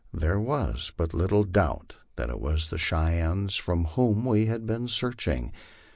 There was but little doubt that it was the Cheyennes, for whom we had been searching.